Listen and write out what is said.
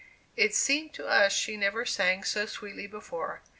It seemed to us she never sang so sweetly before.